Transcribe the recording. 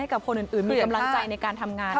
กับคนอื่นมีกำลังใจในการทำงาน